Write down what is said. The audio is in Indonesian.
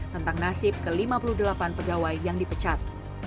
tentang nasib ke lima puluh delapan pegawai yang dipecat